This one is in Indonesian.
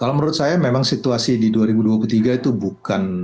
kalau menurut saya memang situasi di dua ribu dua puluh tiga itu bukan